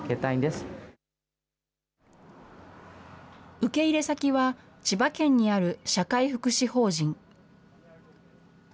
受け入れ先は千葉県にある社会福祉法人。